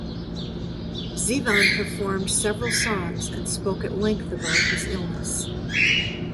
Zevon performed several songs and spoke at length about his illness.